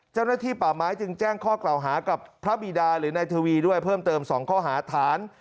เจ้าหน้าที่ป่าไม้จึงแจ้งข้อกล่าวหากับพระบีดาหรือนายทวีด้วยเพิ่มเติม๒ข้อหาฐาน